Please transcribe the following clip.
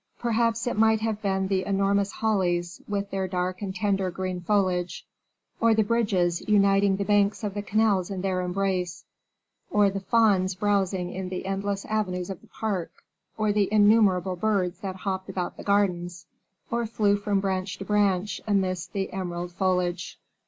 Perhaps it might have been the enormous hollies, with their dark and tender green foliage; or the bridges uniting the banks of the canals in their embrace; or the fawns browsing in the endless avenues of the park; or the innumerable birds that hopped about the gardens, or flew from branch to branch, amidst the emerald foliage.